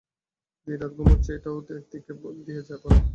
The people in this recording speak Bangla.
দিন-রাত ঘুমুচ্ছে এটাও এক দিক দিয়ে ভালো।